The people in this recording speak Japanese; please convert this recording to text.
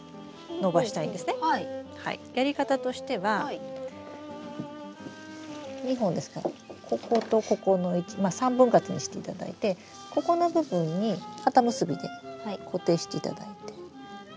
やり方としては２本ですからこことここのまあ３分割にしていただいてここの部分にかた結びで固定していただいて。